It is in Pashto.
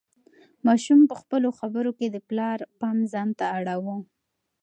ماشوم په خپلو خبرو کې د پلار پام ځان ته اړاوه.